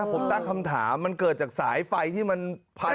ผมตั้งคำถามมันเกิดจากสายไฟที่มันพัน